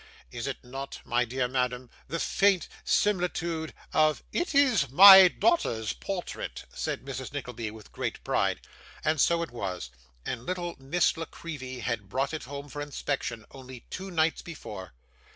'Is it not, my dear madam, the faint similitude of ' 'It is my daughter's portrait,' said Mrs. Nickleby, with great pride. And so it was. And little Miss La Creevy had brought it home for inspection only two nights before.